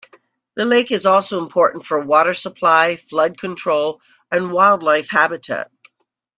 The lake is also important for water supply, flood control, and wildlife habitat.